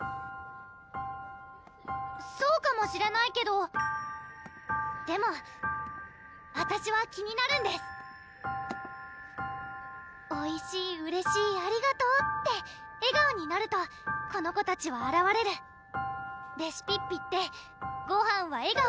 ⁉そうかもしれないけどでもあたしは気になるんですおいしいうれしいありがとうって笑顔になるとこの子たちはあらわれるレシピッピって「ごはんは笑顔」